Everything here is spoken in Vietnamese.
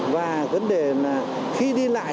và vấn đề là khi đi lại